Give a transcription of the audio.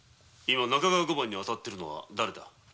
中川御番に当たっておるのはだれだ？